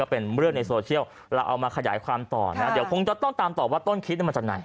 เป็นเรื่องในโซเชียลเราเอามาขยายความต่อนะเดี๋ยวคงจะต้องตามต่อว่าต้นคิดมาจากไหน